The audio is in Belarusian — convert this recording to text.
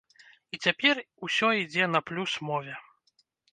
І цяпер усё ідзе на плюс мове.